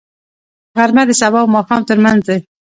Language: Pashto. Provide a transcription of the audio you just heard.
غرمه د سبا او ماښام ترمنځ دی